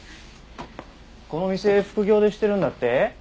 この店副業でしてるんだって？